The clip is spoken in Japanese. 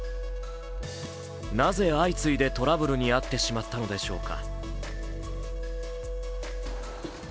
なぜ相次いでトラブルに遭ってしまったのでしょうか。